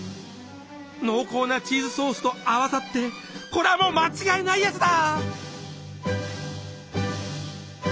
濃厚なチーズソースと合わさってこりゃもう間違いないやつだ。